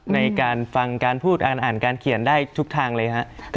ในการฟังการพูดอ่านการเขียนได้ทุกทางเลยครับ